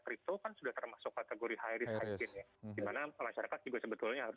crypto kan sudah termasuk kategori high risk di mana masyarakat juga sebetulnya sudah mengetahui tentang hal ini